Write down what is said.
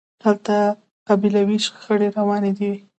هلته قبیلوي شخړې روانې وي.